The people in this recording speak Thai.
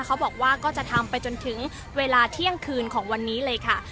เขาบอกว่าก็จะทำไปจนถึงเวลาเที่ยงคืนของวันนี้เลยค่ะ